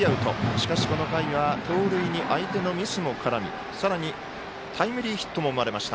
しかし、この回は盗塁に相手のミスも絡みさらに、タイムリーヒットも生まれました。